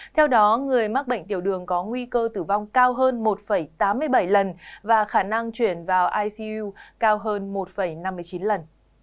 theo đó người mắc bệnh tiểu đường có nguy cơ tử vong cao hơn một tám mươi bảy lần và khả năng chuyển vào icu cao hơn một năm mươi chín lần